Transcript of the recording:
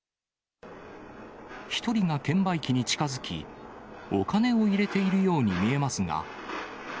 １人が券売機に近づき、お金を入れているように見えますが。